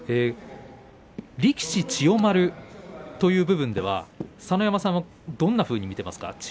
力士、千代丸という部分では佐ノ山さんはどんなふうに見ていますか？